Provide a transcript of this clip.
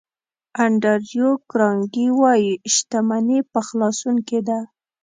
انډریو کارنګي وایي شتمني په خلاصون کې ده.